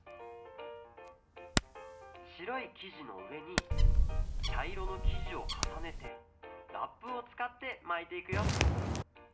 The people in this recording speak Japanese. しろいきじのうえにちゃいろのきじをかさねてラップをつかってまいていくよ。